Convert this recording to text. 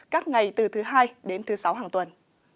các ngày từ thứ hai đến thứ sáu hàng tuần